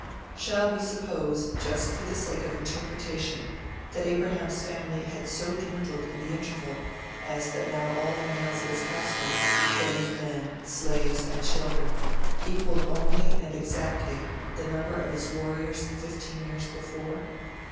Shall we suppose (just for the sake of the interpretation) that Abraham's family had so dwindled in the interval as that now all the males of his household, trained men, slaves, and children, equalled only and exactly the number of his warriors fifteen years before?'